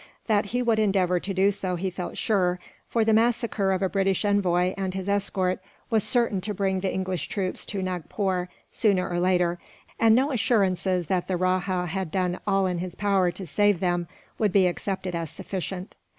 That he would endeavour to do so he felt sure, for the massacre of a British envoy, and his escort, was certain to bring the English troops to Nagpore, sooner or later; and no assurances that the rajah had done all in his power to save them would be accepted as sufficient.